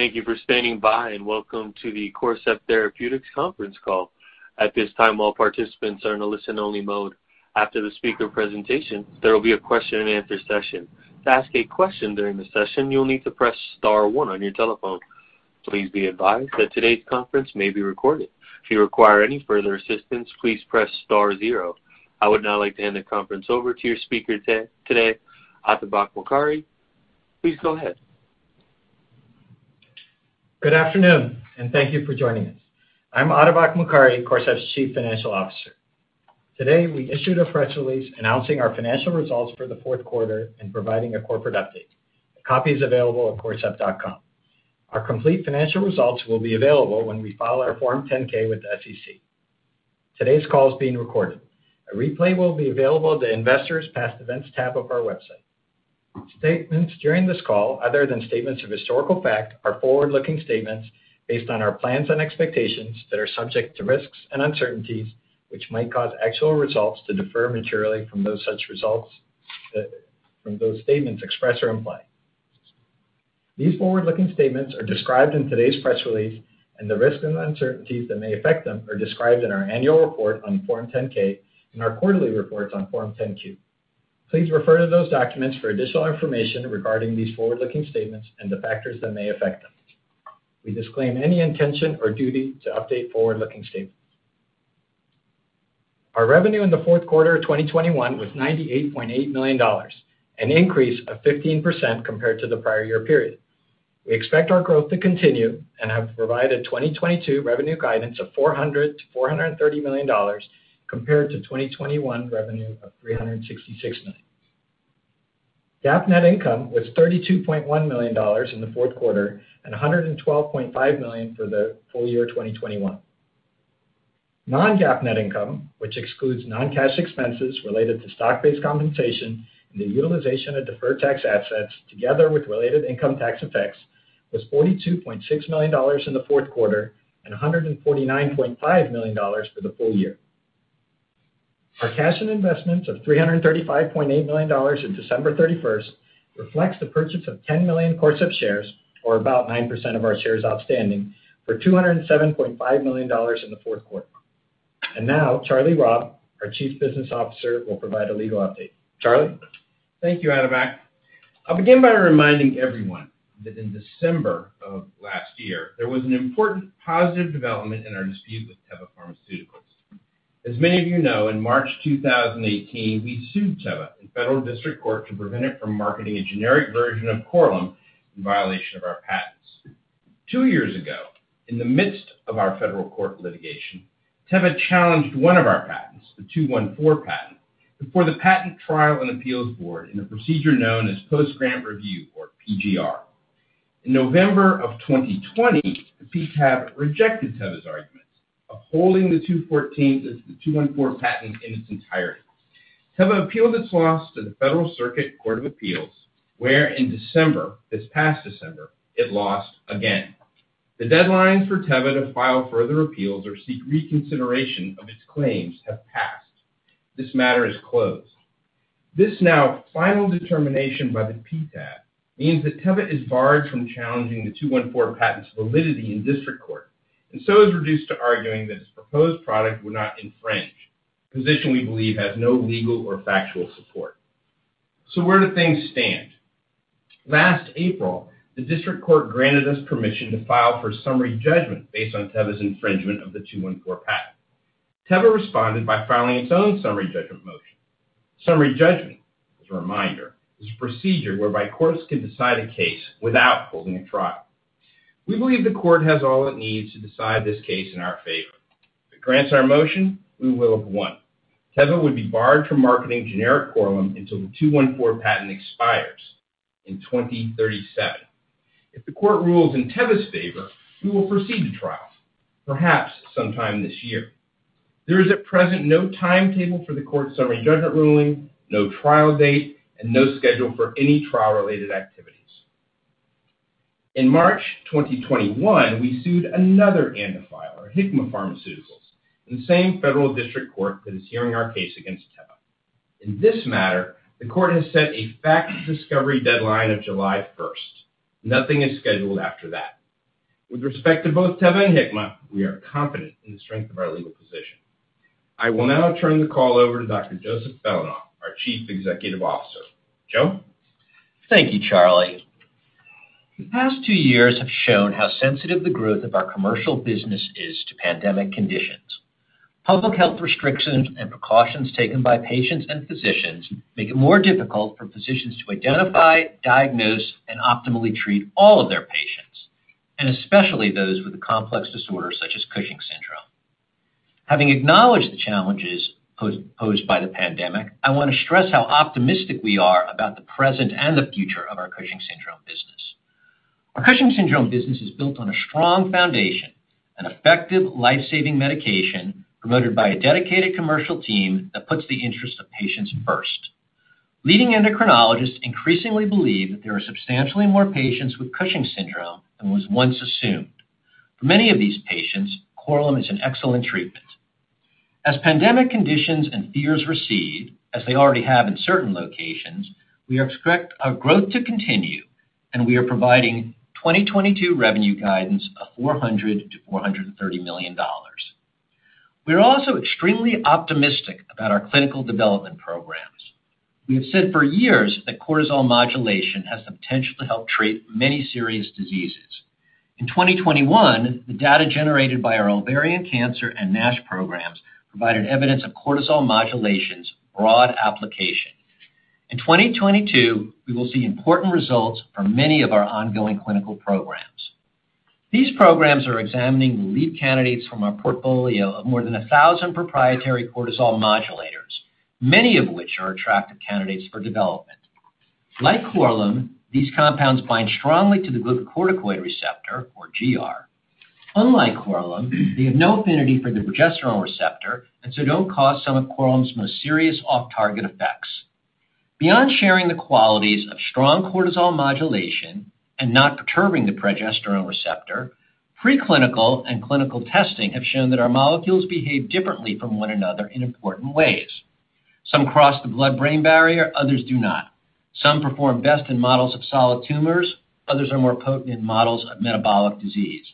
Hello. Thank you for standing by, and welcome to the Corcept Therapeutics conference call. At this time, all participants are in a listen-only mode. After the speaker presentation, there will be a question-and-answer session. To ask a question during the session, you'll need to press star one on your telephone. Please be advised that today's conference may be recorded. If you require any further assistance, please press star zero. I would now like to hand the conference over to your speaker today, Atabak Mokari. Please go ahead. Good afternoon and thank you for joining us. I'm Atabak Mokari, Corcept's Chief Financial Officer. Today, we issued a press release announcing our financial results for the fourth quarter and providing a corporate update. A copy is available at corcept.com. Our complete financial results will be available when we file our Form 10-K with the SEC. Today's call is being recorded. A replay will be available at the Investors Past Events tab of our website. Statements during this call, other than statements of historical fact, are forward-looking statements based on our plans and expectations that are subject to risks and uncertainties, which might cause actual results to differ materially from those expressed or implied by such statements. These forward-looking statements are described in today's press release, and the risks and uncertainties that may affect them are described in our annual report on Form 10-K and our quarterly reports on Form 10-Q. Please refer to those documents for additional information regarding these forward-looking statements and the factors that may affect us. We disclaim any intention or duty to update forward-looking statements. Our revenue in the fourth quarter of 2021 was $98.8 million, an increase of 15% compared to the prior year period. We expect our growth to continue and have provided 2022 revenue guidance of $400 million-$430 million compared to 2021 revenue of $366 million. GAAP net income was $32.1 million in the fourth quarter and $112.5 million for the full year of 2021. Non-GAAP net income, which excludes non-cash expenses related to stock-based compensation and the utilization of deferred tax assets together with related income tax effects, was $42.6 million in the fourth quarter and $149.5 million for the full year. Our cash and investments of $335.8 million on December 31 reflects the purchase of 10 million Corcept shares, or about 9% of our shares outstanding, for $207.5 million in the fourth quarter. Now Charles Robb, our Chief Business Officer, will provide a legal update. Charlie? Thank you, Atabak. I'll begin by reminding everyone that in December of last year, there was an important positive development in our dispute with Teva Pharmaceuticals. As many of you know, in March 2018, we sued Teva in Federal District Court to prevent it from marketing a generic version of Korlym in violation of our patents. Two years ago, in the midst of our federal court litigation, Teva challenged one of our patents, the '214 patent, before the Patent Trial and Appeal Board in a procedure known as Post Grant Review or PGR. In November of 2020, the PTAB rejected Teva's arguments, upholding the '214 patent in its entirety. Teva appealed its loss to the Federal Circuit Court of Appeals, where in December, this past December, it lost again. The deadlines for Teva to file further appeals or seek reconsideration of its claims have passed. This matter is closed. This now final determination by the PTAB means that Teva is barred from challenging the '214 patent's validity in district court, and so is reduced to arguing that its proposed product would not infringe, a position we believe has no legal or factual support. Where do things stand? Last April, the district court granted us permission to file for summary judgment based on Teva's infringement of the '214 patent. Teva responded by filing its own summary judgment motion. Summary judgment, as a reminder, is a procedure whereby courts can decide a case without holding a trial. We believe the court has all it needs to decide this case in our favor. If it grants our motion, we will have won. Teva would be barred from marketing generic Korlym until the '214 patent expires in 2037. If the court rules in Teva's favor, we will proceed to trial, perhaps sometime this year. There is at present no timetable for the court's summary judgment ruling, no trial date, and no schedule for any trial-related activities. In March 2021, we sued another ANDA filer, Hikma Pharmaceuticals, in the same federal district court that is hearing our case against Teva. In this matter, the court has set a fact discovery deadline of July 1st. Nothing is scheduled after that. With respect to both Teva and Hikma, we are confident in the strength of our legal position. I will now turn the call over to Dr. Joseph Belanoff, our Chief Executive Officer. Joe? Thank you, Charlie. The past two years have shown how sensitive the growth of our commercial business is to pandemic conditions. Public health restrictions and precautions taken by patients and physicians make it more difficult for physicians to identify, diagnose, and optimally treat all of their patients, and especially those with a complex disorder such as Cushing's syndrome. Having acknowledged the challenges posed by the pandemic, I want to stress how optimistic we are about the present and the future of our Cushing's syndrome business. Our Cushing's syndrome business is built on a strong foundation, an effective life-saving medication promoted by a dedicated commercial team that puts the interest of patients first. Leading endocrinologists increasingly believe that there are substantially more patients with Cushing's syndrome than was once assumed. For many of these patients, Korlym is an excellent treatment. As pandemic conditions and fears recede, as they already have in certain locations, we expect our growth to continue, and we are providing 2022 revenue guidance of $400 million-$430 million. We are also extremely optimistic about our clinical development programs. We have said for years that cortisol modulation has the potential to help treat many serious diseases. In 2021, the data generated by our ovarian cancer and NASH programs provided evidence of cortisol modulation's broad application. In 2022, we will see important results from many of our ongoing clinical programs. These programs are examining the lead candidates from our portfolio of more than 1,000 proprietary cortisol modulators, many of which are attractive candidates for development. Like Korlym, these compounds bind strongly to the glucocorticoid receptor or GR. Unlike Korlym, they have no affinity for the progesterone receptor, and so don't cause some of Korlym's most serious off-target effects. Beyond sharing the qualities of strong cortisol modulation and not perturbing the progesterone receptor, preclinical and clinical testing have shown that our molecules behave differently from one another in important ways. Some cross the blood-brain barrier, others do not. Some perform best in models of solid tumors, others are more potent in models of metabolic disease.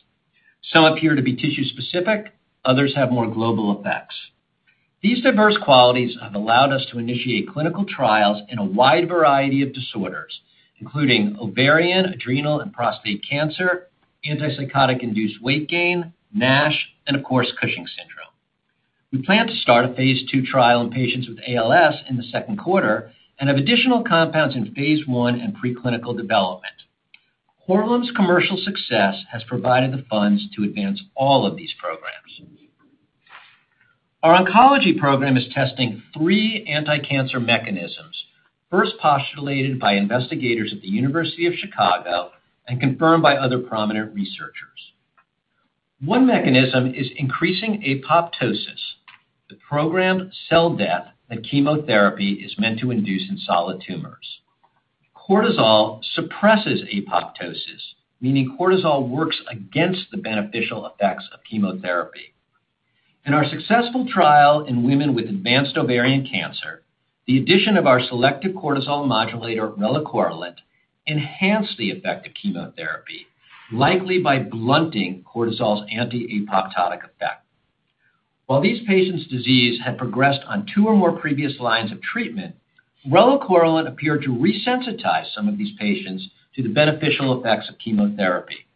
Some appear to be tissue-specific, others have more global effects. These diverse qualities have allowed us to initiate clinical trials in a wide variety of disorders, including ovarian, adrenal, and prostate cancer, antipsychotic-induced weight gain, NASH, and of course, Cushing's syndrome. We plan to start a phase II trial in patients with ALS in the second quarter and have additional compounds in phase I and preclinical development. Korlym's commercial success has provided the funds to advance all of these programs. Our oncology program is testing three anticancer mechanisms, first postulated by investigators at the University of Chicago and confirmed by other prominent researchers. One mechanism is increasing apoptosis, the programmed cell death that chemotherapy is meant to induce in solid tumors. Cortisol suppresses apoptosis, meaning cortisol works against the beneficial effects of chemotherapy. In our successful trial in women with advanced ovarian cancer, the addition of our selective cortisol modulator, relacorilant, enhanced the effect of chemotherapy, likely by blunting cortisol's anti-apoptotic effect. While these patients' disease had progressed on two or more previous lines of treatment, relacorilant appeared to resensitize some of these patients to the beneficial effects of chemotherapy.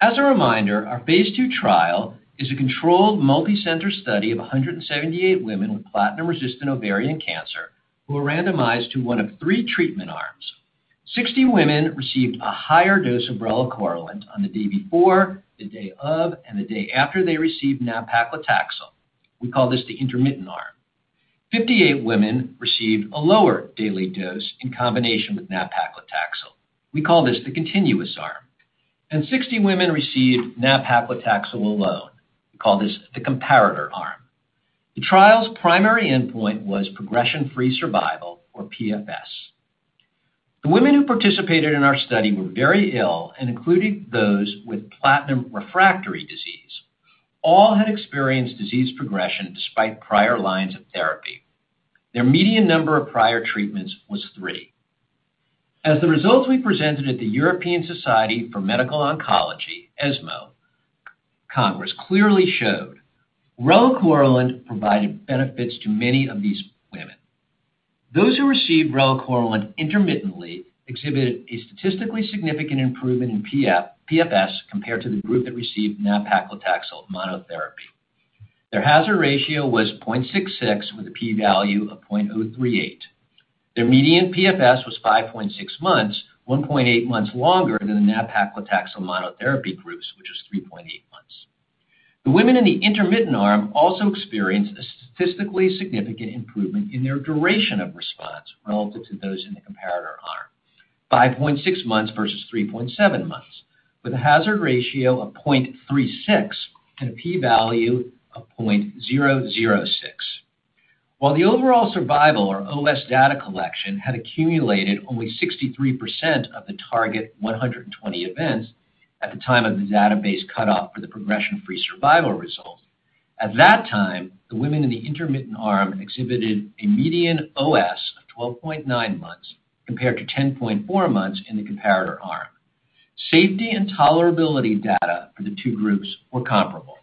As a reminder, our phase II trial is a controlled multicenter study of 178 women with platinum-resistant ovarian cancer who were randomized to one of three treatment arms. Sixty women received a higher dose of relacorilant on the day before, the day of, and the day after they received nab-paclitaxel. We call this the intermittent arm. Fifty-eight women received a lower daily dose in combination with nab-paclitaxel. We call this the continuous arm. Sixty women received nab-paclitaxel alone. We call this the comparator arm. The trial's primary endpoint was progression-free survival or PFS. The women who participated in our study were very ill, including those with platinum refractory disease. All had experienced disease progression despite prior lines of therapy. Their median number of prior treatments was three. As the results we presented at the European Society for Medical Oncology, ESMO Congress clearly showed relacorilant provided benefits to many of these women. Those who received relacorilant intermittently exhibited a statistically significant improvement in PF-PFS compared to the group that received nab-paclitaxel monotherapy. Their hazard ratio was 0.66 with a p-value of 0.038. Their median PFS was 5.6 months, 1.8 months longer than the nab-paclitaxel monotherapy groups, which is 3.8 months. The women in the intermittent arm also experienced a statistically significant improvement in their duration of response relative to those in the comparator arm, 5.6 months versus 3.7 months, with a hazard ratio of 0.36 and a p-value of 0.006. While the overall survival or OS data collection had accumulated only 63% of the target 120 events at the time of the database cutoff for the progression-free survival result, at that time, the women in the intermittent arm exhibited a median OS of 12.9 months compared to 10.4 months in the comparator arm. Safety and tolerability data for the two groups were comparable.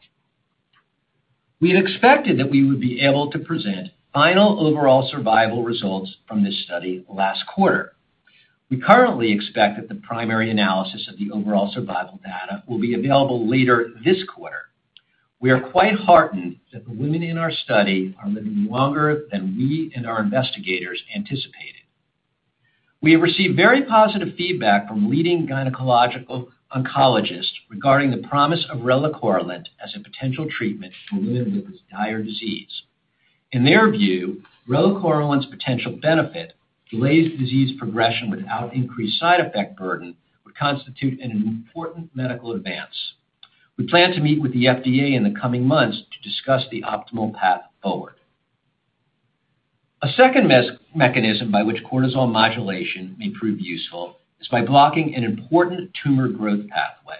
We had expected that we would be able to present final overall survival results from this study last quarter. We currently expect that the primary analysis of the overall survival data will be available later this quarter. We are quite heartened that the women in our study are living longer than we and our investigators anticipated. We have received very positive feedback from leading gynecological oncologists regarding the promise of relacorilant as a potential treatment for women with this dire disease. In their view, relacorilant's potential benefit delays disease progression without increased side effect burden would constitute an important medical advance. We plan to meet with the FDA in the coming months to discuss the optimal path forward. A second mechanism by which cortisol modulation may prove useful is by blocking an important tumor growth pathway.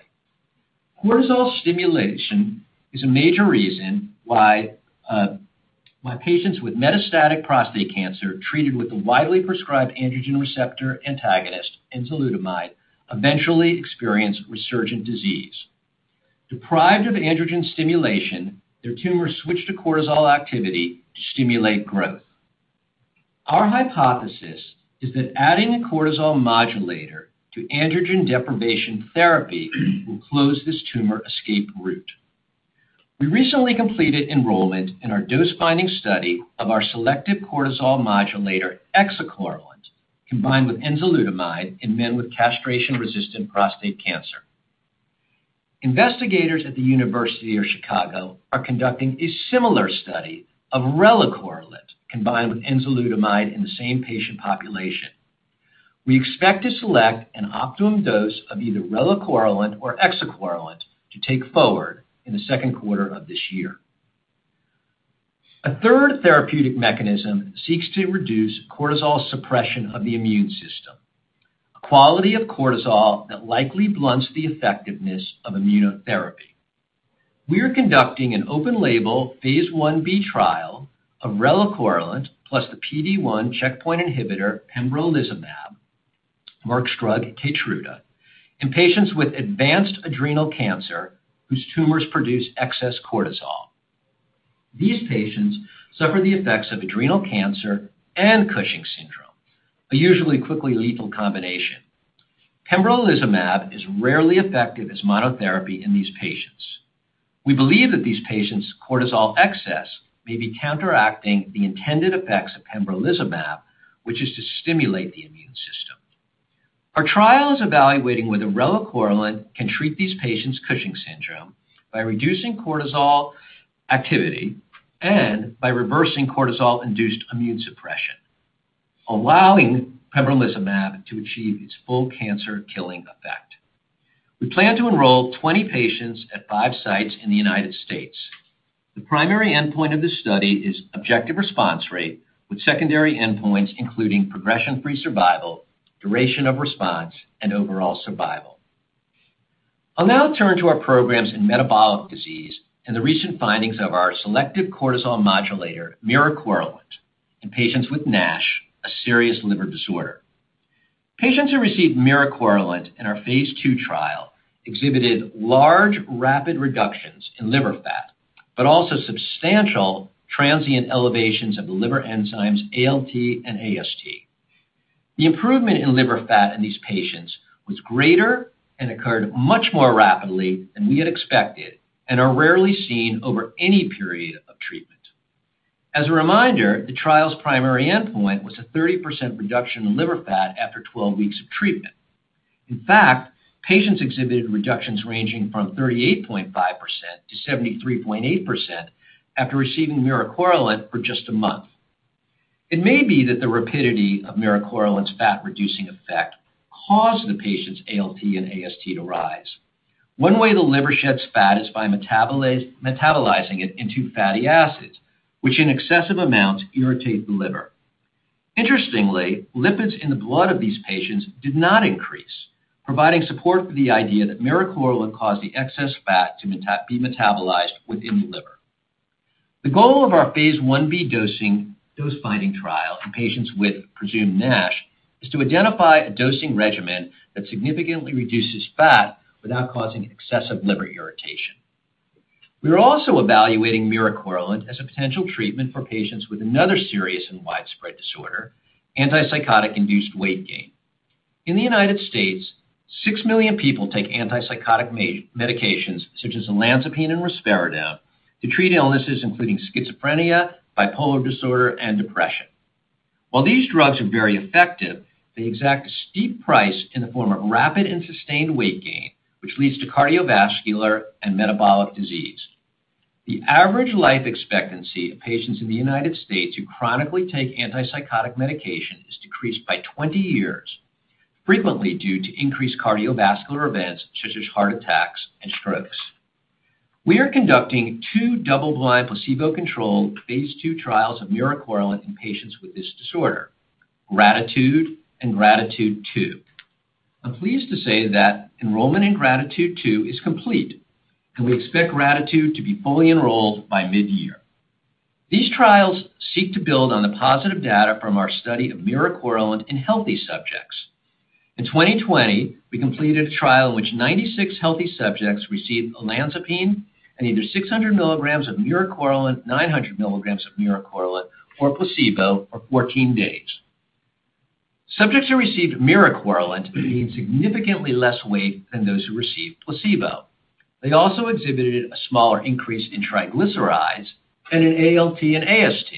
Cortisol stimulation is a major reason why patients with metastatic prostate cancer treated with a widely prescribed androgen receptor antagonist, enzalutamide, eventually experience resurgent disease. Deprived of androgen stimulation, their tumors switch to cortisol activity to stimulate growth. Our hypothesis is that adding a cortisol modulator to androgen deprivation therapy will close this tumor escape route. We recently completed enrollment in our dose-finding study of our selective cortisol modulator, exacorilant, combined with enzalutamide in men with castration-resistant prostate cancer. Investigators at the University of Chicago are conducting a similar study of relacorilant combined with enzalutamide in the same patient population. We expect to select an optimum dose of either relacorilant or exacorilant to take forward in the second quarter of this year. A third therapeutic mechanism seeks to reduce cortisol suppression of the immune system, a quality of cortisol that likely blunts the effectiveness of immunotherapy. We are conducting an open-label phase I-B trial of relacorilant plus the PD-1 checkpoint inhibitor pembrolizumab, Merck's drug, Keytruda, in patients with advanced adrenal cancer whose tumors produce excess cortisol. These patients suffer the effects of adrenal cancer and Cushing's syndrome, a usually quickly lethal combination. Pembrolizumab is rarely effective as monotherapy in these patients. We believe that these patients' cortisol excess may be counteracting the intended effects of pembrolizumab, which is to stimulate the immune system. Our trial is evaluating whether relacorilant can treat these patients' Cushing's syndrome by reducing cortisol activity and by reversing cortisol-induced immune suppression, allowing pembrolizumab to achieve its full cancer-killing effect. We plan to enroll 20 patients at five sites in the United States. The primary endpoint of this study is objective response rate with secondary endpoints, including progression-free survival, duration of response, and overall survival. I'll now turn to our programs in metabolic disease and the recent findings of our selective cortisol modulator, miricorilant, in patients with NASH, a serious liver disorder. Patients who received miricorilant in our phase II trial exhibited large, rapid reductions in liver fat, but also substantial transient elevations of liver enzymes ALT and AST. The improvement in liver fat in these patients was greater and occurred much more rapidly than we had expected and are rarely seen over any period of treatment. As a reminder, the trial's primary endpoint was a 30% reduction in liver fat after 12 weeks of treatment. In fact, patients exhibited reductions ranging from 38.5%-73.8% after receiving miricorilant for just a month. It may be that the rapidity of miricorilant's fat-reducing effect caused the patient's ALT and AST to rise. One way the liver sheds fat is by metabolizing it into fatty acids, which in excessive amounts irritate the liver. Interestingly, lipids in the blood of these patients did not increase, providing support for the idea that miricorilant caused the excess fat to be metabolized within the liver. The goal of our phase I/B dose-finding trial in patients with presumed NASH is to identify a dosing regimen that significantly reduces fat without causing excessive liver irritation. We are also evaluating miricorilant as a potential treatment for patients with another serious and widespread disorder, antipsychotic-induced weight gain. In the United States, six million people take antipsychotic medications such as olanzapine and risperidone to treat illnesses including schizophrenia, bipolar disorder, and depression. While these drugs are very effective, they exact a steep price in the form of rapid and sustained weight gain, which leads to cardiovascular and metabolic disease. The average life expectancy of patients in the United States who chronically take antipsychotic medication is decreased by 20 years, frequently due to increased cardiovascular events such as heart attacks and strokes. We are conducting two double-blind placebo-controlled phase II trials of miricorilant in patients with this disorder, GRATITUDE and GRATITUDE II. I'm pleased to say that enrollment in GRATITUDE II is complete, and we expect GRATITUDE to be fully enrolled by mid-year. These trials seek to build on the positive data from our study of miricorilant in healthy subjects. In 2020, we completed a trial in which 96 healthy subjects received olanzapine and either 600 mg of miricorilant, 900 mg of miricorilant, or placebo for 14 days. Subjects who received miricorilant gained significantly less weight than those who received placebo. They also exhibited a smaller increase in triglycerides and in ALT and AST,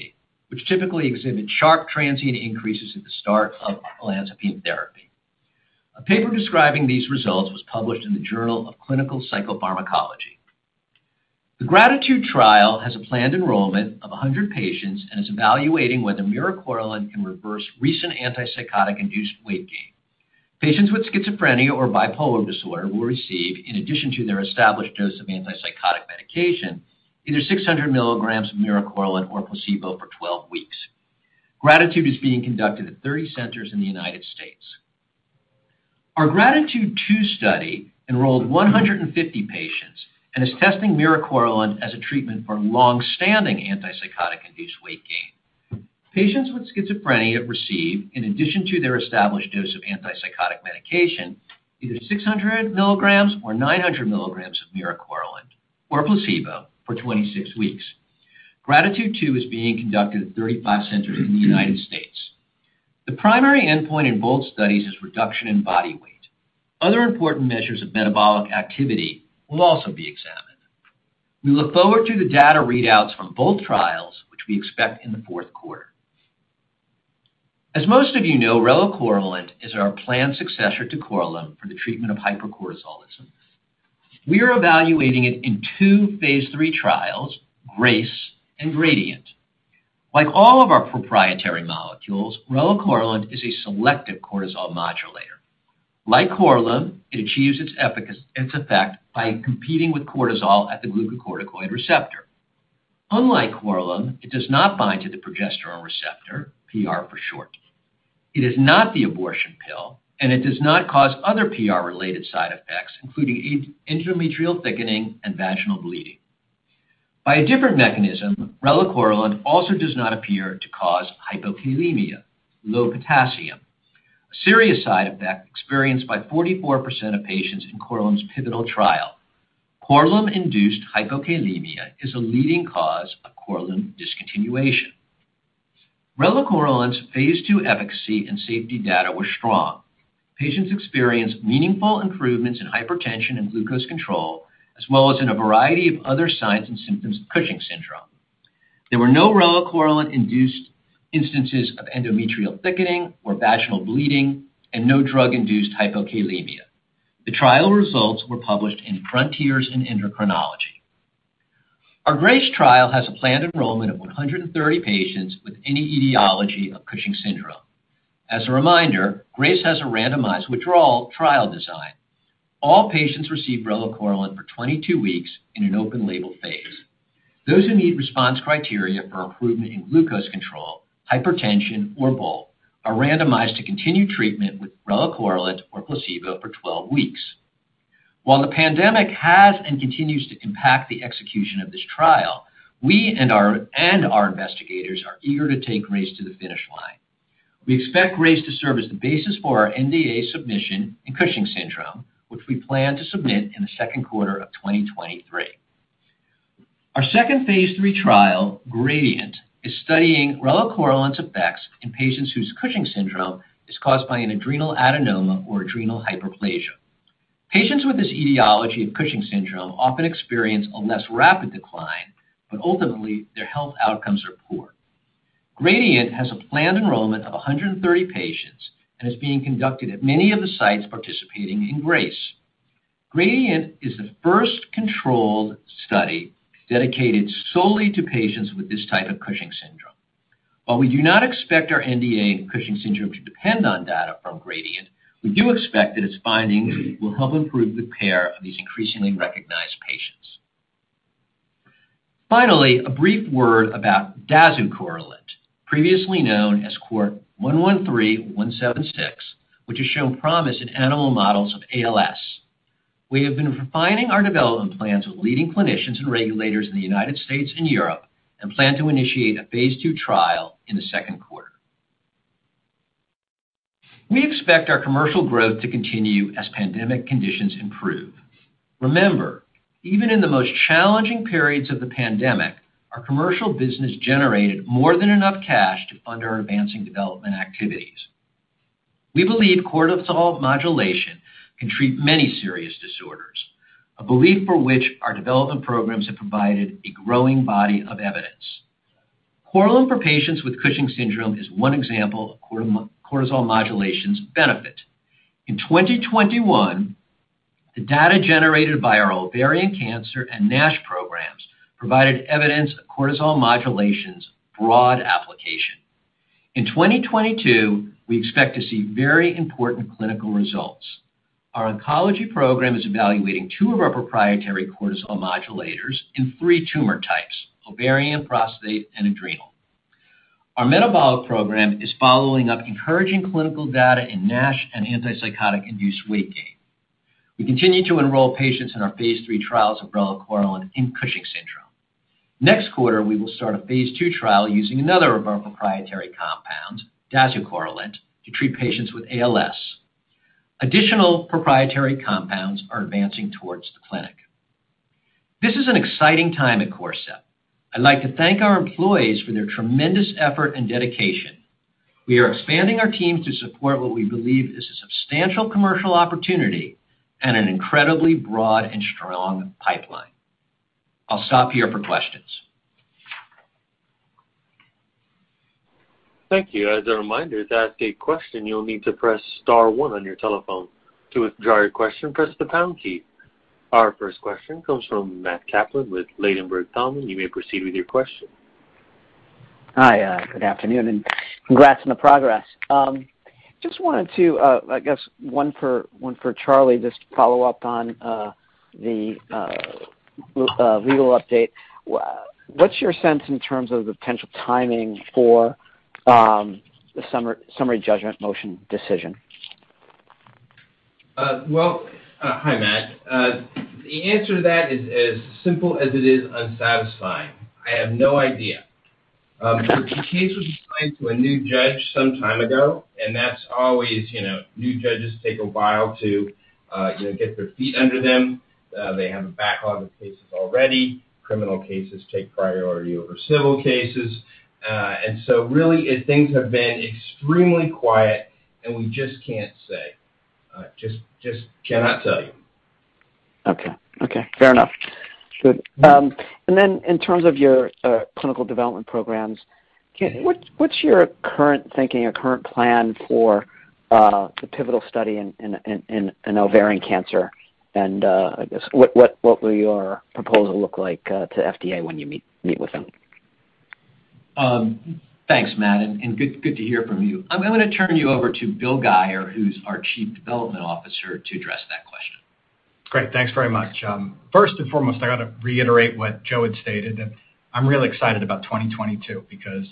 which typically exhibit sharp transient increases at the start of olanzapine therapy. A paper describing these results was published in the Journal of Clinical Psychopharmacology. The GRATITUDE trial has a planned enrollment of 100 patients and is evaluating whether miricorilant can reverse recent antipsychotic-induced weight gain. Patients with schizophrenia or bipolar disorder will receive, in addition to their established dose of antipsychotic medication, either 600 milligrams of miricorilant or placebo for 12 weeks. GRATITUDE is being conducted at 30 centers in the United States. Our GRATITUDE II study enrolled 150 patients and is testing miricorilant as a treatment for long-standing antipsychotic-induced weight gain. Patients with schizophrenia receive, in addition to their established dose of antipsychotic medication, either 600 milligrams or 900 milligrams of miricorilant or placebo for 26 weeks. GRATITUDE II is being conducted at 35 centers in the United States. The primary endpoint in both studies is reduction in body weight. Other important measures of metabolic activity will also be examined. We look forward to the data readouts from both trials, which we expect in the fourth quarter. As most of you know, relacorilant is our planned successor to Korlym for the treatment of hypercortisolism. We are evaluating it in two phase III trials, GRACE and GRADIENT. Like all of our proprietary molecules, relacorilant is a selective cortisol modulator. Like Korlym, it achieves its effect by competing with cortisol at the glucocorticoid receptor. Unlike Korlym, it does not bind to the progesterone receptor, PR for short. It is not the abortion pill, and it does not cause other PR-related side effects, including endometrial thickening and vaginal bleeding. By a different mechanism, relacorilant also does not appear to cause hypokalemia, low potassium, a serious side effect experienced by 44% of patients in Korlym's pivotal trial. Korlym-induced hypokalemia is a leading cause of Korlym discontinuation. Relacorilant's phase II efficacy and safety data were strong. Patients experienced meaningful improvements in hypertension and glucose control, as well as in a variety of other signs and symptoms of Cushing's syndrome. There were no relacorilant-induced instances of endometrial thickening or vaginal bleeding and no drug-induced hypokalemia. The trial results were published in Frontiers in Endocrinology. Our GRACE trial has a planned enrollment of 130 patients with any etiology of Cushing's syndrome. As a reminder, GRACE has a randomized withdrawal trial design. All patients receive relacorilant for 22 weeks in an open label phase. Those who meet response criteria for improvement in glucose control, hypertension or both are randomized to continue treatment with relacorilant or placebo for 12 weeks. While the pandemic has and continues to impact the execution of this trial, we and our investigators are eager to take GRACE to the finish line. We expect GRACE to serve as the basis for our NDA submission in Cushing's syndrome, which we plan to submit in the second quarter of 2023. Our second phase III trial, GRADIENT, is studying relacorilant's effects in patients whose Cushing's syndrome is caused by an adrenal adenoma or adrenal hyperplasia. Patients with this etiology of Cushing's syndrome often experience a less rapid decline, but ultimately their health outcomes are poor. GRADIENT has a planned enrollment of 130 patients and is being conducted at many of the sites participating in GRACE. GRADIENT is the first controlled study dedicated solely to patients with this type of Cushing's syndrome. While we do not expect our NDA in Cushing's syndrome to depend on data from GRADIENT, we do expect that its findings will help improve the care of these increasingly recognized patients. Finally, a brief word about dazucorilant, previously known as CORT113176, which has shown promise in animal models of ALS. We have been refining our development plans with leading clinicians and regulators in the United States and Europe and plan to initiate a phase II trial in the second quarter. We expect our commercial growth to continue as pandemic conditions improve. Remember, even in the most challenging periods of the pandemic, our commercial business generated more than enough cash to fund our advancing development activities. We believe cortisol modulation can treat many serious disorders, a belief for which our development programs have provided a growing body of evidence. Korlym for patients with Cushing's syndrome is one example of cortisol modulation's benefit. In 2021, the data generated by our ovarian cancer and NASH programs provided evidence of cortisol modulation's broad application. In 2022, we expect to see very important clinical results. Our oncology program is evaluating two of our proprietary cortisol modulators in three tumor types: ovarian, prostate, and adrenal. Our metabolic program is following up encouraging clinical data in NASH and antipsychotic-induced weight gain. We continue to enroll patients in our phase III trials of relacorilant in Cushing's syndrome. Next quarter, we will start a phase II trial using another of our proprietary compounds, dazucorilant, to treat patients with ALS. Additional proprietary compounds are advancing towards the clinic. This is an exciting time at Corcept. I'd like to thank our employees for their tremendous effort and dedication. We are expanding our teams to support what we believe is a substantial commercial opportunity and an incredibly broad and strong pipeline. I'll stop here for questions. Thank you. As a reminder, to ask a question, you'll need to press star one on your telephone. To withdraw your question, press the pound key. Our first question comes from Matt Kaplan with Ladenburg Thalmann. You may proceed with your question. Hi, good afternoon and congrats on the progress. Just wanted to, I guess one for Charles Robb, just to follow up on the legal update. What's your sense in terms of the potential timing for the summary judgment motion decision? Hi, Matt. The answer to that is as simple as it is unsatisfying. I have no idea. The case was assigned to a new judge some time ago, and that's always, you know, new judges take a while to, you know, get their feet under them. They have a backlog of cases already. Criminal cases take priority over civil cases. Really, things have been extremely quiet, and we just can't say. Just cannot tell you. Okay. Okay, fair enough. Good. In terms of your clinical development programs. What's your current thinking or current plan for the pivotal study in ovarian cancer? I guess what will your proposal look like to FDA when you meet with them? Thanks, Matt, and good to hear from you. I'm gonna turn you over to William Guyer, who's our Chief Development Officer, to address that question. Great. Thanks very much. First and foremost, I gotta reiterate what Joe had stated, and I'm real excited about 2022 because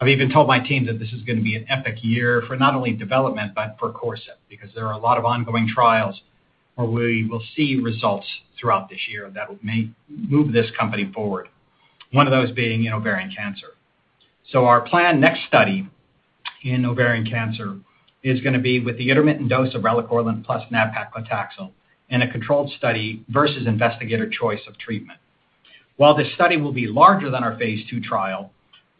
I've even told my team that this is gonna be an epic year for not only development, but for Corcept, because there are a lot of ongoing trials where we will see results throughout this year that will move this company forward, one of those being in ovarian cancer. Our planned next study in ovarian cancer is gonna be with the intermittent dose of relacorilant plus nab-paclitaxel in a controlled study versus investigator choice of treatment. While this study will be larger than our phase II trial,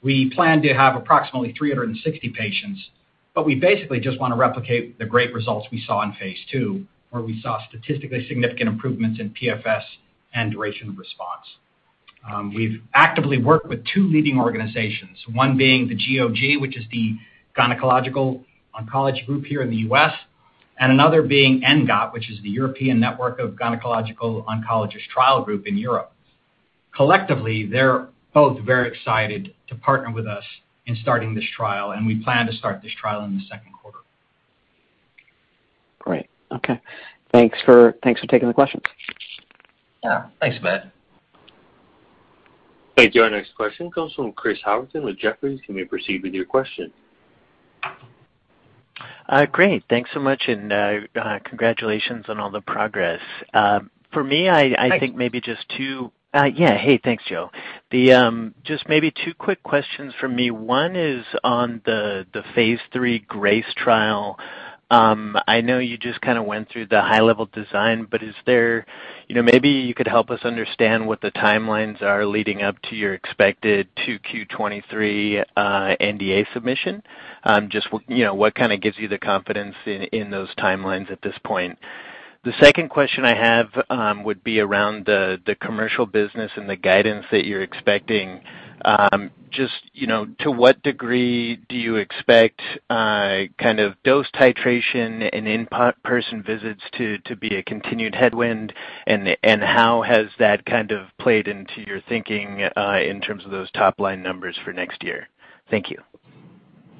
we plan to have approximately 360 patients, but we basically just wanna replicate the great results we saw in phase II, where we saw statistically significant improvements in PFS and duration of response. We've actively worked with two leading organizations, one being the GOG, which is the Gynecologic Oncology Group here in the U.S., and another being ENGOT, which is the European Network of Gynecological Oncological Trial Groups in Europe. Collectively, they're both very excited to partner with us in starting this trial, and we plan to start this trial in the second quarter. Great. Okay. Thanks for taking the questions. Yeah. Thanks, Matt. Thank you. Our next question comes from Chris Howerton with Jefferies. You may proceed with your question. Great. Thanks so much, and congratulations on all the progress. For me, Thanks. I think maybe just two quick questions from me. Hey, thanks, Joe. One is on the phase III GRACE trial. I know you just kinda went through the high-level design, but maybe you could help us understand what the timelines are leading up to your expected 2Q 2023 NDA submission. You know, what kinda gives you the confidence in those timelines at this point? The second question I have would be around the commercial business and the guidance that you're expecting. Just, you know, to what degree do you expect kind of dose titration and in-person visits to be a continued headwind, and how has that kind of played into your thinking in terms of those top-line numbers for next year? Thank you.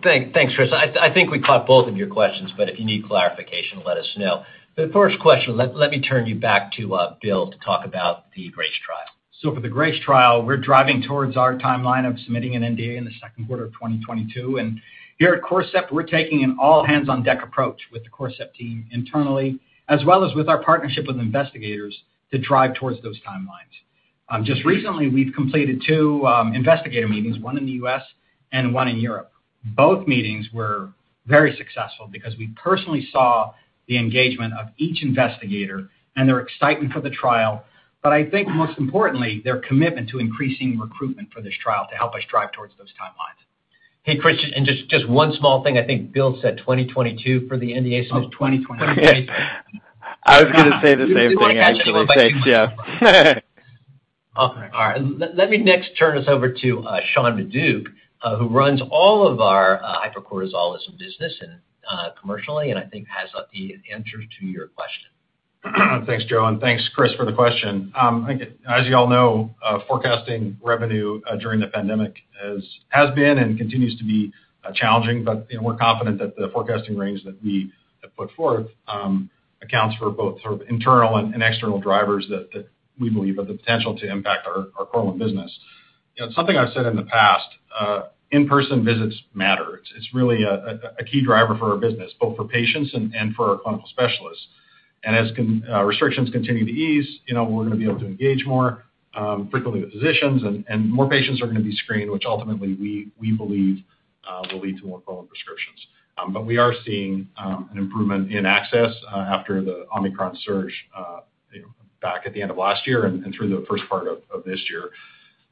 Thanks, Chris. I think we caught both of your questions, but if you need clarification, let us know. The first question, let me turn you back to Bill to talk about the GRACE trial. For the GRACE trial, we're driving towards our timeline of submitting an NDA in the second quarter of 2022. Here at Corcept, we're taking an all-hands-on-deck approach with the Corcept team internally, as well as with our partnership with investigators to drive towards those timelines. Just recently, we've completed two investigator meetings, one in the U.S. and one in Europe. Both meetings were very successful because we personally saw the engagement of each investigator and their excitement for the trial, but I think most importantly, their commitment to increasing recruitment for this trial to help us drive towards those timelines. Hey, Chris, and just one small thing. I think Bill said 2022 for the NDA submission. Oh, 2020. 2022. I was gonna say the same thing, actually. Thanks, yeah. All right. Let me next turn us over to Sean Maduck, who runs all of our hypercortisolism business and commercially, and I think has the answers to your question. Thanks, Joe, and thanks, Chris, for the question. I think as you all know, forecasting revenue during the pandemic is, has been and continues to be challenging, but you know, we're confident that the forecasting range that we have put forth accounts for both sort of internal and external drivers that we believe have the potential to impact our Korlym business. You know, something I've said in the past, in-person visits matter. It's really a key driver for our business, both for patients and for our clinical specialists. Restrictions continue to ease, you know, we're gonna be able to engage more frequently with physicians and more patients are gonna be screened, which ultimately we believe will lead to more Korlym prescriptions. We are seeing an improvement in access after the Omicron surge, you know, back at the end of last year and through the first part of this year.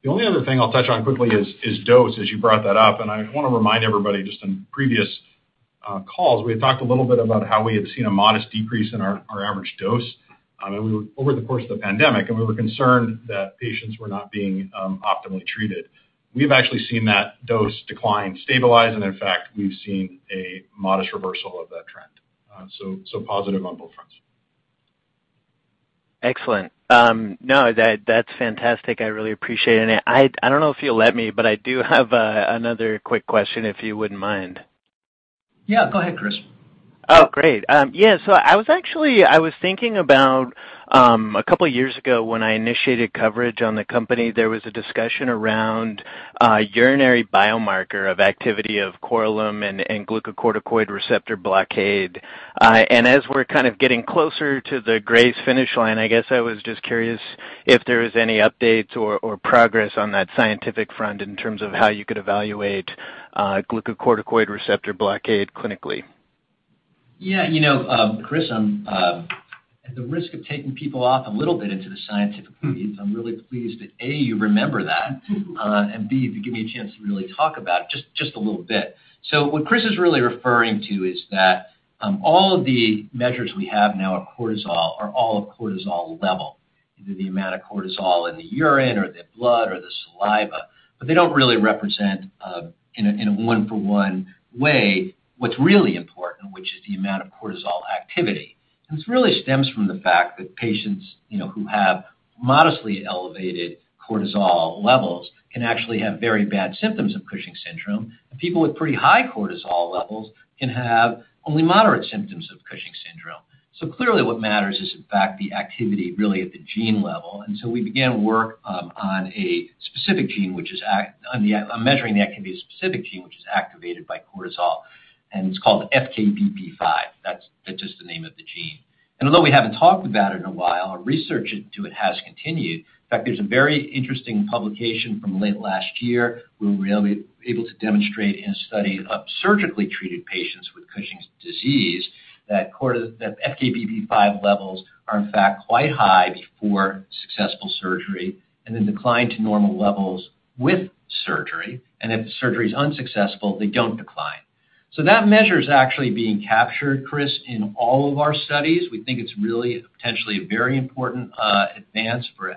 The only other thing I'll touch on quickly is dose, as you brought that up, and I want to remind everybody just on previous calls, we had talked a little bit about how we had seen a modest decrease in our average dose over the course of the pandemic, and we were concerned that patients were not being optimally treated. We've actually seen that dose decline stabilize, and in fact, we've seen a modest reversal of that trend. Positive on both fronts. Excellent. No, that's fantastic. I really appreciate it. I don't know if you'll let me, but I do have another quick question, if you wouldn't mind. Yeah, go ahead, Chris. Oh, great. Yeah, I was actually thinking about a couple years ago when I initiated coverage on the company, there was a discussion around urinary biomarker of activity of Korlym and glucocorticoid receptor blockade. As we're kind of getting closer to the GRACE finish line, I guess I was just curious if there was any updates or progress on that scientific front in terms of how you could evaluate glucocorticoid receptor blockade clinically. Yeah. You know, Chris, at the risk of taking people off a little bit into the scientific weeds, I'm really pleased that, A, you remember that, and B, if you give me a chance to really talk about it just a little bit. What Chris is really referring to is that, all of the measures we have now of cortisol are all of cortisol level, either the amount of cortisol in the urine or the blood or the saliva, but they don't really represent, in a one-for-one way what's really important, which is the amount of cortisol activity. This really stems from the fact that patients, you know, who have modestly elevated cortisol levels can actually have very bad symptoms of Cushing's syndrome. People with pretty high cortisol levels can have only moderate symptoms of Cushing's syndrome. Clearly, what matters is, in fact, the activity really at the gene level. We began work on measuring the activity of a specific gene which is activated by cortisol, and it's called FKBP5. That's just the name of the gene. Although we haven't talked about it in a while, our research into it has continued. In fact, there's a very interesting publication from late last year where we were able to demonstrate in a study of surgically treated patients with Cushing's disease that FKBP5 levels are, in fact, quite high for successful surgery and then decline to normal levels with surgery. If the surgery is unsuccessful, they don't decline. That measure's actually being captured, Chris, in all of our studies. We think it's really potentially a very important advance for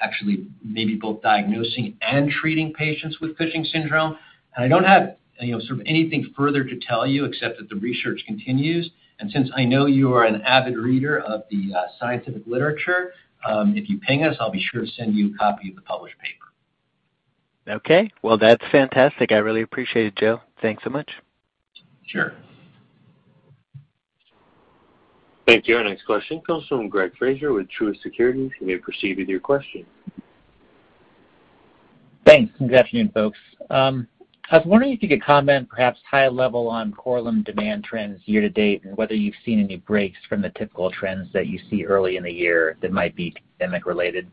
actually maybe both diagnosing and treating patients with Cushing's syndrome. I don't have, you know, sort of anything further to tell you, except that the research continues. Since I know you are an avid reader of the scientific literature, if you ping us, I'll be sure to send you a copy of the published paper. Okay. Well, that's fantastic. I really appreciate it, Joe. Thanks so much. Sure. Thank you. Our next question comes from Greg Fraser with Truist Securities. You may proceed with your question. Thanks. Good afternoon, folks. I was wondering if you could comment perhaps high level on Korlym demand trends year to date and whether you've seen any breaks from the typical trends that you see early in the year that might be pandemic-related.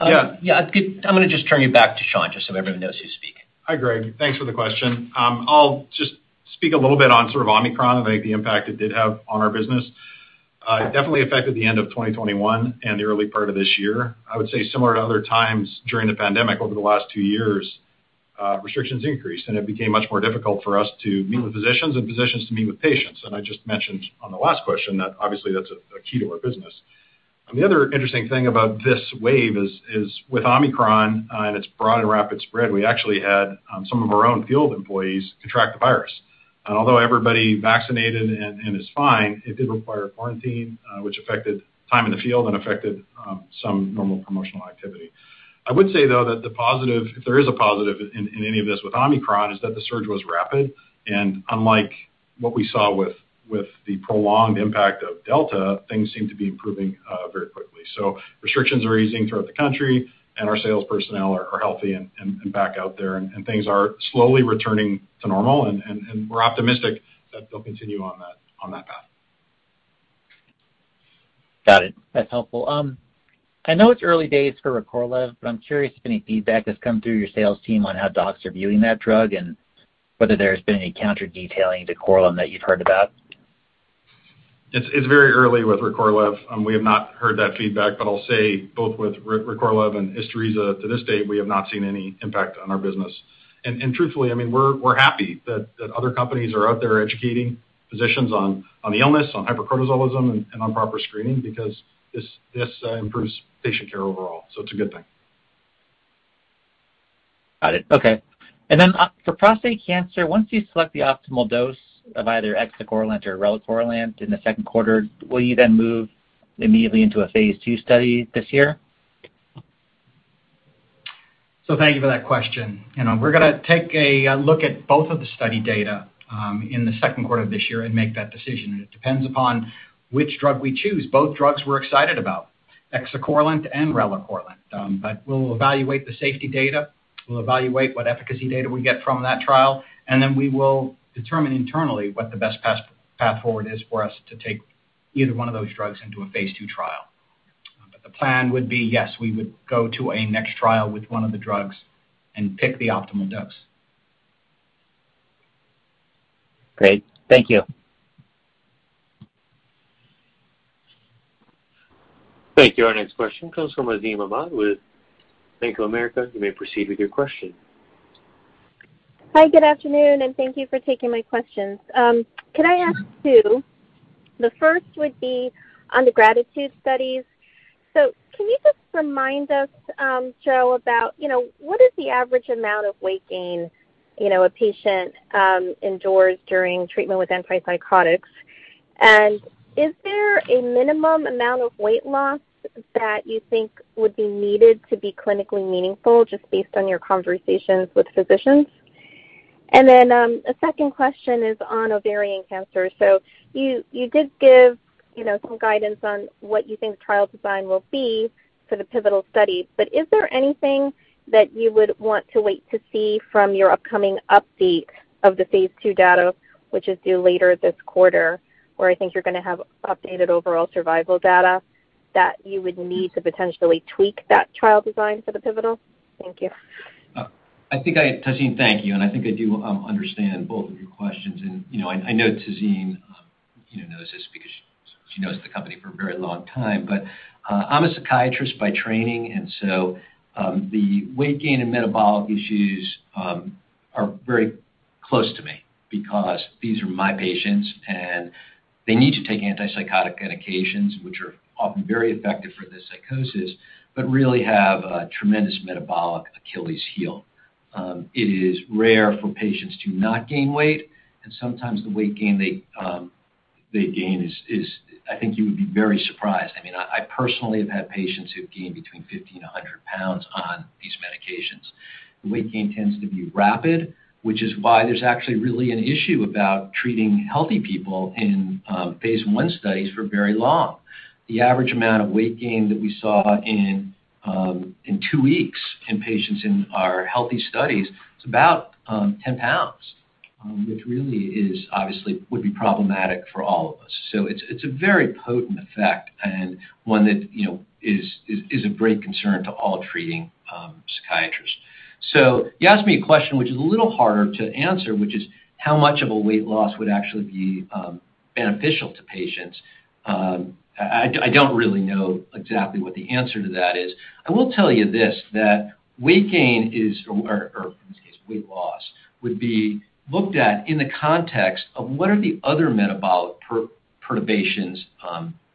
Yeah. Yeah. I'm gonna just turn you back to Sean just so everyone knows who's speaking. Hi, Greg. Thanks for the question. I'll just speak a little bit on sort of Omicron and the impact it did have on our business. It definitely affected the end of 2021 and the early part of this year. I would say similar to other times during the pandemic over the last two years, restrictions increased, and it became much more difficult for us to meet with physicians and physicians to meet with patients. I just mentioned on the last question that obviously that's a key to our business. The other interesting thing about this wave is with Omicron and its broad and rapid spread, we actually had some of our own field employees contract the virus. Although everybody vaccinated and is fine, it did require quarantine, which affected time in the field and affected some normal promotional activity. I would say, though, that the positive, if there is a positive in any of this with Omicron, is that the surge was rapid. Unlike what we saw with the prolonged impact of Delta, things seem to be improving very quickly. Restrictions are easing throughout the country and our sales personnel are healthy and back out there, and we're optimistic that they'll continue on that path. Got it. That's helpful. I know it's early days for Recorlev, but I'm curious if any feedback has come through your sales team on how docs are viewing that drug and whether there's been any counter-detailing to Korlym that you've heard about. It's very early with Recorlev. We have not heard that feedback. I'll say both with Recorlev and Isturisa to this date, we have not seen any impact on our business. And truthfully, I mean, we're happy that other companies are out there educating physicians on the illness, on hypercortisolism and on proper screening because this improves patient care overall. It's a good thing. Got it. Okay. For prostate cancer, once you select the optimal dose of either exacorilant or relacorilant in the second quarter, will you then move immediately into a phase II study this year? Thank you for that question. You know, we're gonna take a look at both of the study data in the second quarter of this year and make that decision. It depends upon which drug we choose. Both drugs we're excited about, exacorilant and relacorilant. We'll evaluate the safety data. We'll evaluate what efficacy data we get from that trial, and then we will determine internally what the best path forward is for us to take either one of those drugs into a phase II trial. The plan would be, yes, we would go to a next trial with one of the drugs and pick the optimal dose. Great. Thank you. Thank you. Our next question comes from Tazeen Ahmad with Bank of America. You may proceed with your question. Hi, good afternoon, and thank you for taking my questions. Can I ask two? The first would be on the GRATITUDE studies. Remind us, Joe, about, you know, what is the average amount of weight gain, you know, a patient endures during treatment with antipsychotics? Is there a minimum amount of weight loss that you think would be needed to be clinically meaningful just based on your conversations with physicians? A second question is on ovarian cancer. You did give, you know, some guidance on what you think the trial design will be for the pivotal study, but is there anything that you would want to wait to see from your upcoming update of the phase II data, which is due later this quarter, where I think you're gonna have updated overall survival data, that you would need to potentially tweak that trial design for the pivotal? Thank you. I think Tazeen, thank you, and I think I do understand both of your questions and, you know, I know Tazeen, you know, knows this because she knows the company for a very long time. I'm a psychiatrist by training, the weight gain and metabolic issues are very close to me because these are my patients and they need to take antipsychotic medications, which are often very effective for the psychosis, but really have a tremendous metabolic Achilles heel. It is rare for patients to not gain weight, and sometimes the weight gain they gain is. I think you would be very surprised. I mean, I personally have had patients who've gained between 50 and 100 pounds on these medications. The weight gain tends to be rapid, which is why there's actually really an issue about treating healthy people in phase I studies for very long. The average amount of weight gain that we saw in two weeks in patients in our healthy studies, it's about 10 pounds, which really is obviously would be problematic for all of us. It's a very potent effect and one that, you know, is a great concern to all treating psychiatrists. You asked me a question which is a little harder to answer, which is how much of a weight loss would actually be beneficial to patients. I don't really know exactly what the answer to that is. I will tell you this, that weight gain is, or in this case, weight loss, would be looked at in the context of what are the other metabolic perturbations,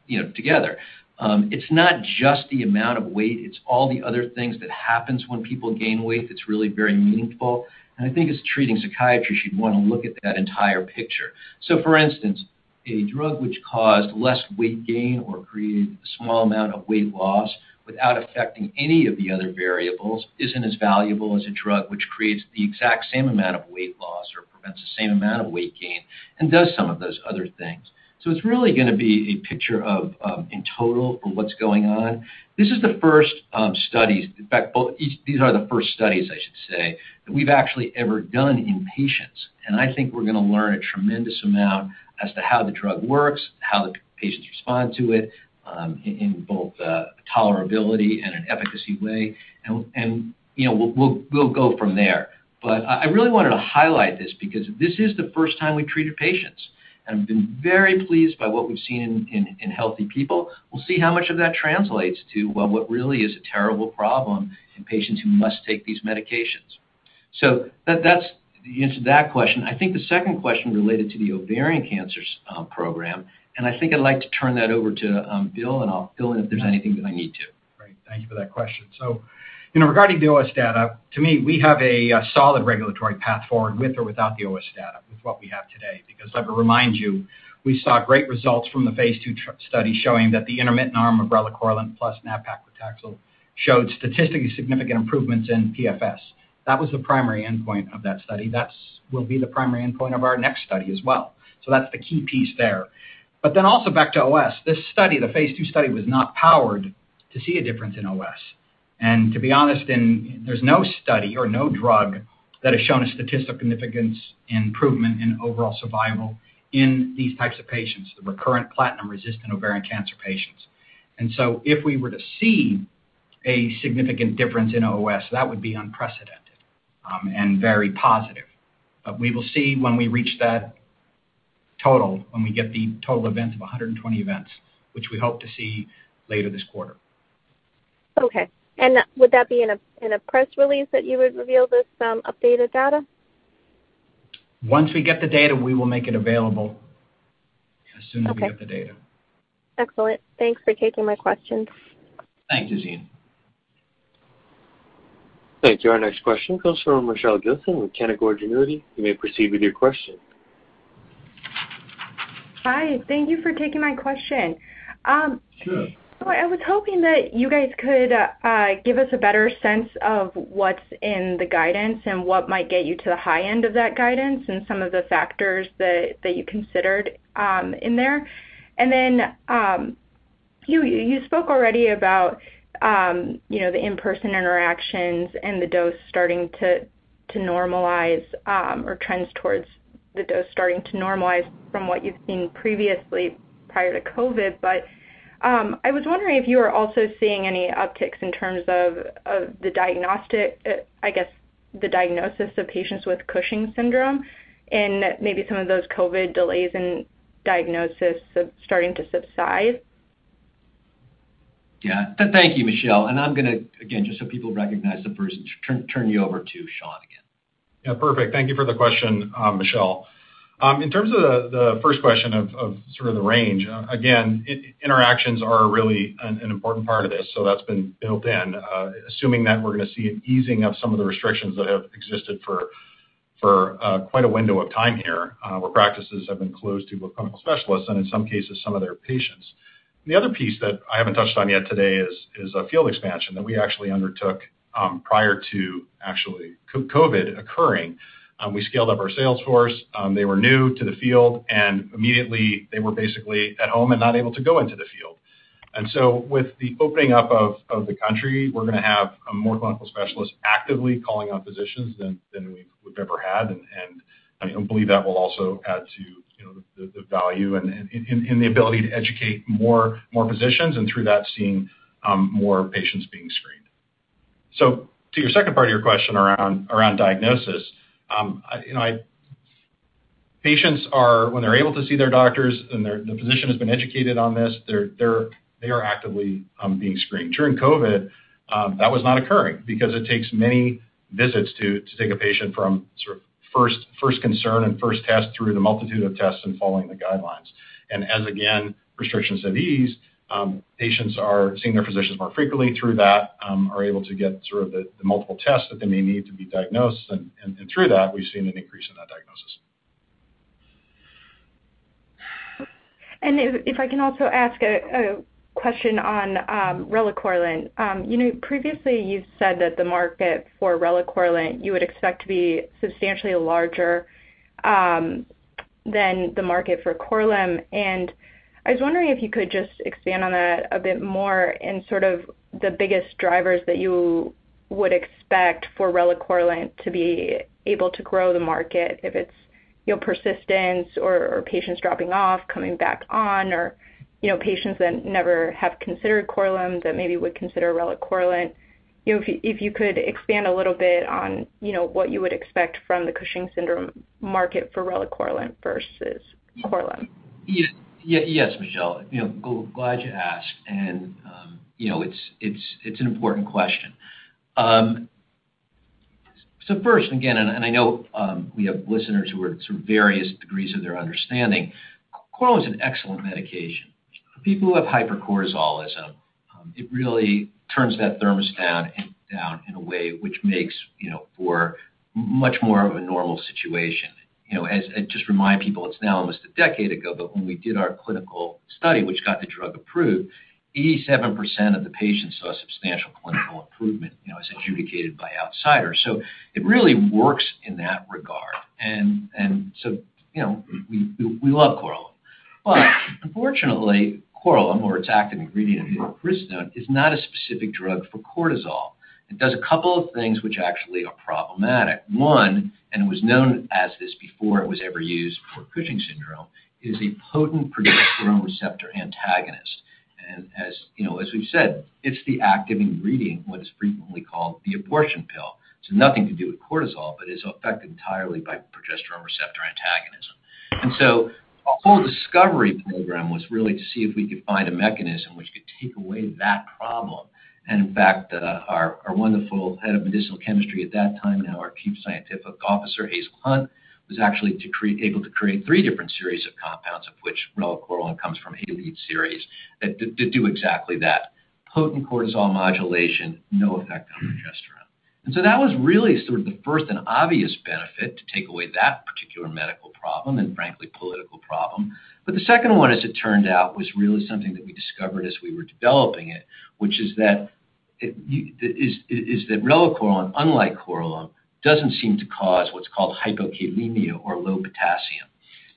you know, together. It's not just the amount of weight, it's all the other things that happens when people gain weight that's really very meaningful, and I think as a treating psychiatrist, you'd wanna look at that entire picture. For instance, a drug which caused less weight gain or created a small amount of weight loss without affecting any of the other variables isn't as valuable as a drug which creates the exact same amount of weight loss or prevents the same amount of weight gain and does some of those other things. It's really gonna be a picture of, in total of what's going on. This is the first studies, in fact, these are the first studies, I should say, that we've actually ever done in patients, and I think we're gonna learn a tremendous amount as to how the drug works, how the patients respond to it, in both tolerability and an efficacy way and, you know, we'll go from there. I really wanted to highlight this because this is the first time we treated patients, and we've been very pleased by what we've seen in healthy people. We'll see how much of that translates to, well, what really is a terrible problem in patients who must take these medications. That, that's the answer to that question. I think the second question related to the ovarian cancers program, and I think I'd like to turn that over to Bill, and if there's anything that I need to. Great. Thank you for that question. You know, regarding the OS data, to me, we have a solid regulatory path forward with or without the OS data, with what we have today. Let me remind you, we saw great results from the phase II study showing that the intermittent arm of relacorilant plus nab-paclitaxel showed statistically significant improvements in PFS. That was the primary endpoint of that study. That will be the primary endpoint of our next study as well. That's the key piece there. Also back to OS. This study, the phase II study, was not powered to see a difference in OS. To be honest, there's no study or no drug that has shown a statistically significant improvement in overall survival in these types of patients, the recurrent platinum-resistant ovarian cancer patients. If we were to see a significant difference in OS, that would be unprecedented and very positive. We will see when we reach that total, when we get the total events of 120 events, which we hope to see later this quarter. Okay. Would that be in a press release that you would reveal this updated data? Once we get the data, we will make it available as soon as. Okay. We get the data. Excellent. Thanks for taking my questions. Thanks, Tazeen. Thank you. Our next question comes from Michelle Gilson with Canaccord Genuity. You may proceed with your question. Hi. Thank you for taking my question. Sure. I was hoping that you guys could give us a better sense of what's in the guidance and what might get you to the high end of that guidance and some of the factors that you considered in there. Then you spoke already about you know the in-person interactions and the dose starting to normalize or trends towards the dose starting to normalize from what you've seen previously prior to COVID. I was wondering if you are also seeing any upticks in terms of the diagnostic I guess the diagnosis of patients with Cushing's syndrome and maybe some of those COVID delays in diagnosis starting to subside. Yeah. Thank you, Michelle. I'm gonna, again, just so people recognize the person, turn you over to Sean again. Yeah. Perfect. Thank you for the question, Michelle. In terms of the first question of sort of the range, again, interactions are really an important part of this, so that's been built in, assuming that we're gonna see an easing of some of the restrictions that have existed for quite a window of time here, where practices have been closed to both clinical specialists and in some cases, some of their patients. The other piece that I haven't touched on yet today is field expansion that we actually undertook prior to actually COVID occurring. We scaled up our sales force. They were new to the field, and immediately they were basically at home and not able to go into the field. With the opening up of the country, we're gonna have more clinical specialists actively calling on physicians than we've ever had. I believe that will also add to, you know, the value and the ability to educate more physicians and through that, seeing more patients being screened. To your second part of your question around diagnosis, you know, patients are, when they're able to see their doctors and the physician has been educated on this, they are actively being screened. During COVID, that was not occurring because it takes many visits to take a patient from sort of first concern and first test through the multitude of tests and following the guidelines. As again restrictions have eased, patients are seeing their physicians more frequently through that and are able to get sort of the multiple tests that they may need to be diagnosed. Through that, we've seen an increase in that diagnosis. If I can also ask a question on relacorilant. You know, previously you said that the market for relacorilant you would expect to be substantially larger than the market for Korlym. I was wondering if you could just expand on that a bit more in sort of the biggest drivers that you would expect for relacorilant to be able to grow the market, if it's you know persistence or patients dropping off, coming back on or you know patients that never have considered Korlym that maybe would consider relacorilant. You know, if you could expand a little bit on you know what you would expect from the Cushing's syndrome market for relacorilant versus Korlym. Yes. Yes, Michelle. You know, glad you asked. You know, it's an important question. First, I know we have listeners who are sort of various degrees of their understanding. Korlym is an excellent medication. For people who have hypercortisolism, it really turns that thermostat down in a way which makes, you know, for much more of a normal situation. You know, just remind people, it's now almost a decade ago, but when we did our clinical study, which got the drug approved, 87% of the patients saw substantial clinical improvement, you know, as adjudicated by outsiders. It really works in that regard. You know, we love Korlym. Unfortunately, Korlym or its active ingredient, mifepristone, is not a specific drug for cortisol. It does a couple of things which actually are problematic. One, it was known as this before it was ever used for Cushing's syndrome, is a potent progesterone receptor antagonist. As, you know, as we've said, it's the active ingredient, what is frequently called the abortion pill. It's nothing to do with cortisol, but is affected entirely by progesterone receptor antagonism. Our whole discovery program was really to see if we could find a mechanism which could take away that problem. In fact, our wonderful head of medicinal chemistry at that time, now our chief scientific officer, Hazel Hunt, was actually able to create three different series of compounds, of which relacorilant comes from a lead series that do exactly that, potent cortisol modulation, no effect on progesterone. That was really sort of the first and obvious benefit to take away that particular medical problem and frankly, political problem. The second one, as it turned out, was really something that we discovered as we were developing it, which is that relacorilant, unlike Korlym, doesn't seem to cause what's called hypokalemia or low potassium.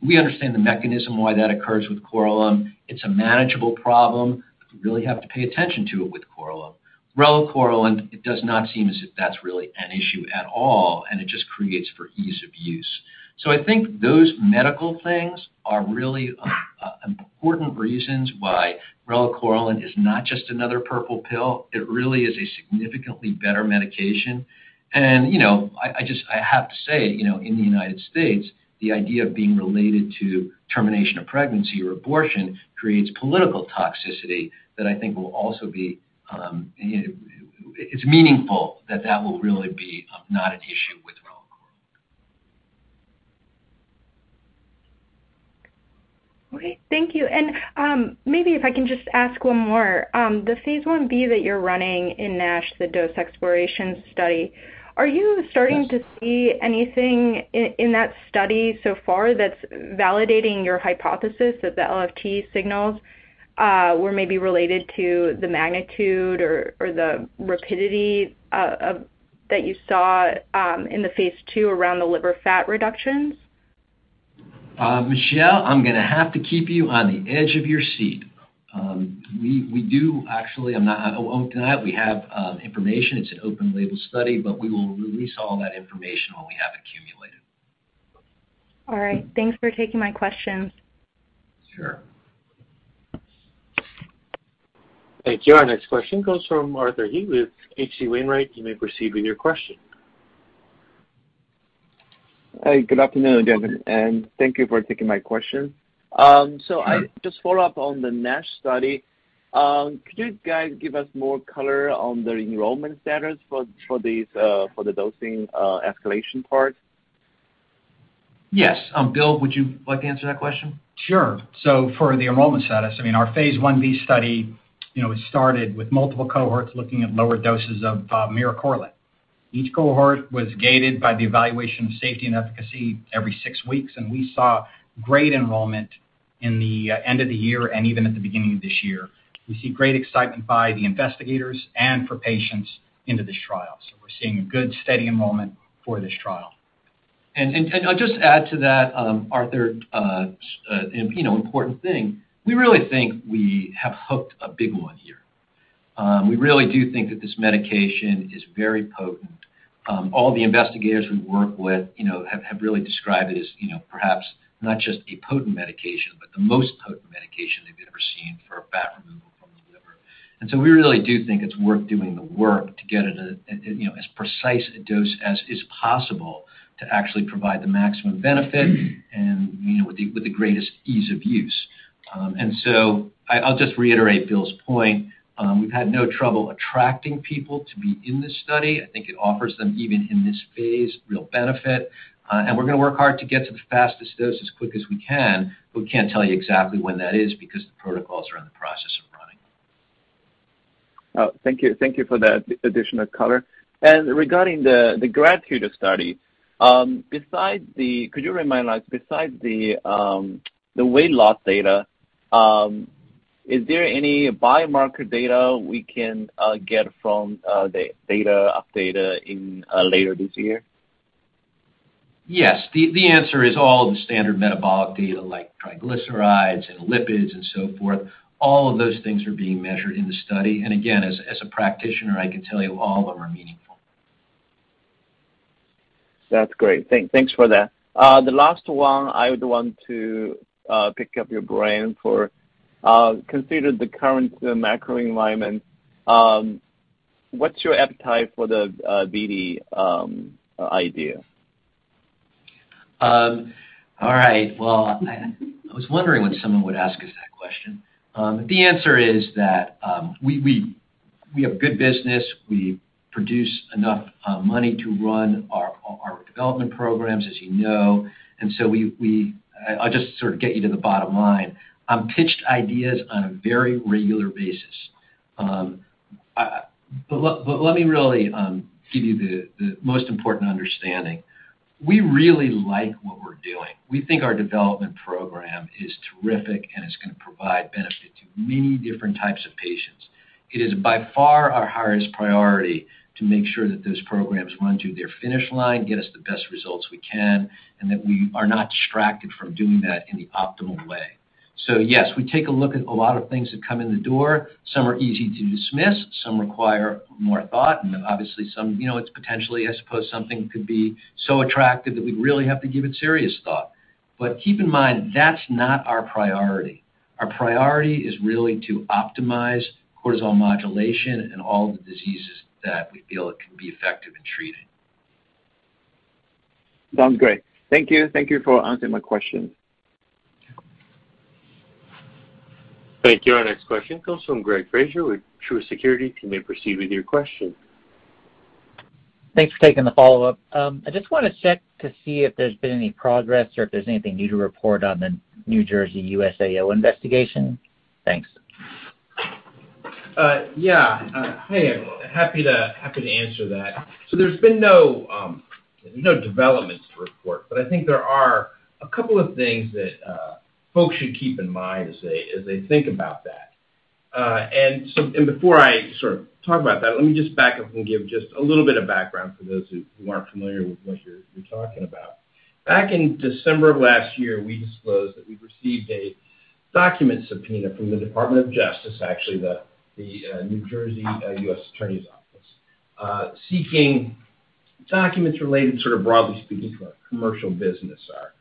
We understand the mechanism why that occurs with Korlym. It's a manageable problem, but you really have to pay attention to it with Korlym. Relacorilant, it does not seem as if that's really an issue at all, and it just creates for ease of use. I think those medical things are really important reasons why relacorilant is not just another purple pill. It really is a significantly better medication. You know, I have to say, you know, in the United States, the idea of being related to termination of pregnancy or abortion creates political toxicity that I think will also be, you know. It's meaningful that that will really be not an issue with relacorilant. Okay. Thank you. Maybe if I can just ask one more. The phase IB that you're running in NASH, the dose exploration study are you starting to see anything in that study so far that's validating your hypothesis that the LFT signals were maybe related to the magnitude or the rapidity of that you saw in the phase II around the liver fat reductions? Michelle, I'm gonna have to keep you on the edge of your seat. We do actually. I won't deny it. We have information. It's an open label study, but we will release all that information when we have it accumulated. All right. Thanks for taking my questions. Sure. Thank you. Our next question comes from Arthur He with H.C. Wainwright. You may proceed with your question. Hey, good afternoon, gentlemen, and thank you for taking my question. I just follow up on the NASH study. Could you guys give us more color on the enrollment status for the dosing escalation part? Yes. Bill, would you like to answer that question? Sure. For the enrollment status, I mean, our phase I-B study, you know, started with multiple cohorts looking at lower doses of miricorilant. Each cohort was gated by the evaluation of safety and efficacy every six weeks, and we saw great enrollment in the end of the year and even at the beginning of this year. We see great excitement by the investigators and for patients into this trial. We're seeing a good, steady enrollment for this trial. I'll just add to that, Arthur. You know, important thing, we really think we have hooked a big one here. We really do think that this medication is very potent. All the investigators we work with, you know, have really described it as, you know, perhaps not just a potent medication, but the most potent medication they've ever seen for fat removal from the liver. We really do think it's worth doing the work to get it at, you know, as precise a dose as is possible to actually provide the maximum benefit and, you know, with the greatest ease of use. I'll just reiterate Bill's point. We've had no trouble attracting people to be in this study. I think it offers them, even in this phase, real benefit. We're gonna work hard to get to the fastest dose as quick as we can, but we can't tell you exactly when that is because the protocols are in the process of running. Oh, thank you. Thank you for that additional color. Regarding the GRATITUDE study, could you remind us, besides the weight loss data, is there any biomarker data we can get from the data updated in later this year? Yes. The answer is all of the standard metabolic data like triglycerides and lipids and so forth, all of those things are being measured in the study. Again, as a practitioner, I can tell you all of them are meaningful. That's great. Thanks for that. The last one I would want to pick your brain for: considering the current macro environment, what's your appetite for the BD idea? All right. Well, I was wondering when someone would ask us that question. The answer is that we have good business. We produce enough money to run our development programs, as you know. I'll just sort of get you to the bottom line. I'm pitched ideas on a very regular basis. But let me really give you the most important understanding. We really like what we're doing. We think our development program is terrific and is gonna provide benefit to many different types of patients. It is by far our highest priority to make sure that those programs run to their finish line, get us the best results we can, and that we are not distracted from doing that in the optimal way. Yes, we take a look at a lot of things that come in the door. Some are easy to dismiss, some require more thought, and then obviously some, you know, it's potentially, I suppose, something could be so attractive that we'd really have to give it serious thought. But keep in mind, that's not our priority. Our priority is really to optimize cortisol modulation and all the diseases that we feel it can be effective in treating. Sounds great. Thank you. Thank you for answering my question. Thank you. Our next question comes from Greg Fraser with Truist Securities. You may proceed with your question. Thanks for taking the follow-up. I just wanna check to see if there's been any progress or if there's anything new to report on the New Jersey USAO investigation. Thanks. Yeah. Hey, happy to answer that. There's no developments to report, but I think there are a couple of things that folks should keep in mind as they think about that. Before I sort of talk about that, let me just back up and give just a little bit of background for those who aren't familiar with what you're talking about. Back in December of last year, we disclosed that we'd received a document subpoena from the Department of Justice, actually the New Jersey U.S. Attorney's Office, seeking documents related, sort of broadly speaking, to our commercial business, our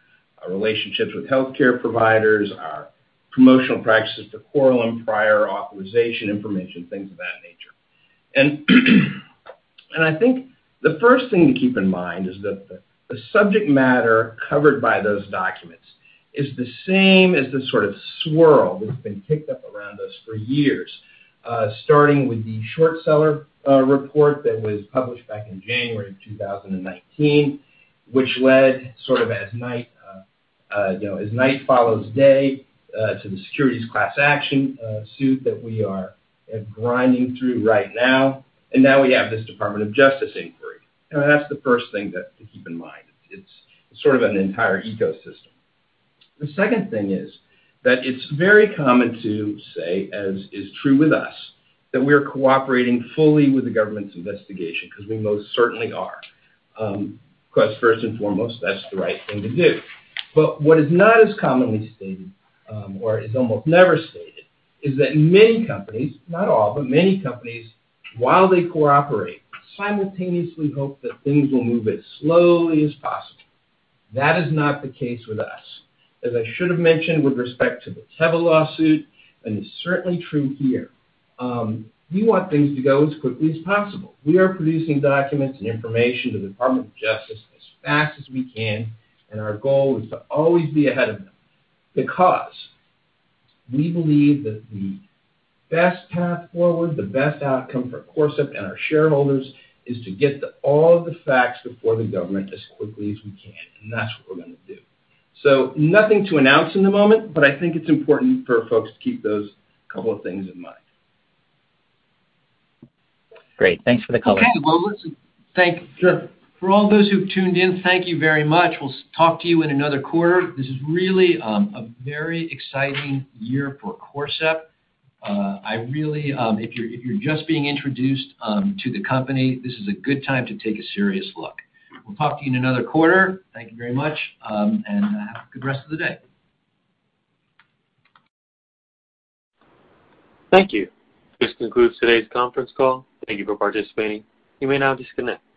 relationships with healthcare providers, our promotional practices to Korlym, prior authorization information, things of that nature. I think the first thing to keep in mind is that the subject matter covered by those documents is the same as the sort of swirl that's been kicked up around us for years, starting with the short seller report that was published back in January 2019, which led, as night follows day, to the securities class action suit that we are grinding through right now. Now we have this Department of Justice inquiry. That's the first thing to keep in mind. It's sort of an entire ecosystem. The second thing is that it's very common to say, as is true with us, that we are cooperating fully with the government's investigation because we most certainly are, 'cause first and foremost, that's the right thing to do. What is not as commonly stated, or is almost never stated, is that many companies, not all, but many companies, while they cooperate, simultaneously hope that things will move as slowly as possible. That is not the case with us. As I should have mentioned with respect to the Teva lawsuit, and it's certainly true here, we want things to go as quickly as possible. We are producing documents and information to Department of Justice as fast as we can, and our goal is to always be ahead of them. Because we believe that the best path forward, the best outcome for Corcept and our shareholders, is to get all of the facts before the government as quickly as we can, and that's what we're gonna do. Nothing to announce in the moment, but I think it's important for folks to keep those couple of things in mind. Great. Thanks for the color. Okay. Well, listen. Sure. For all those who've tuned in, thank you very much. We'll talk to you in another quarter. This is really a very exciting year for Corcept. I really, if you're just being introduced to the company, this is a good time to take a serious look. We'll talk to you in another quarter. Thank you very much and have a good rest of the day. Thank you. This concludes today's conference call. Thank you for participating. You may now disconnect.